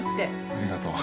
ありがとう。